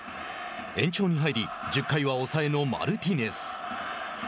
延長に入り１０回は抑えのマルティネス。